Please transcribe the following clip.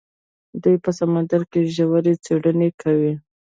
دوی په سمندر کې ژورې څیړنې کوي.